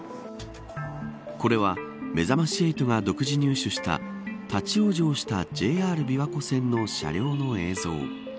これはめざまし８が独自入手した立ち往生したＪＲ琵琶湖線の車両の映像。